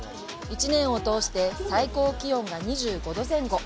１年を通して最高気温が２５度前後。